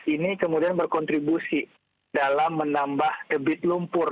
ini kemudian berkontribusi dalam menambah debit lumpur